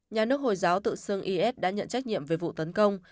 nhà nước hồi giáo tự xưng is đã nhận trách nhiệm về vụ tấn công